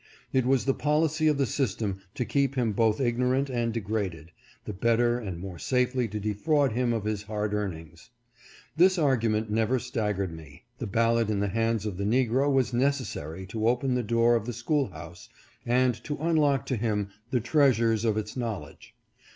It was the policy of the system to keep him both ignorant and degraded, the better and more safely to defraud him of his hard earnings. This argument never staggered me. The ballot in the hands of the negro was necessary to open the door of the school house and to unlock to him the treasures of its knowledge.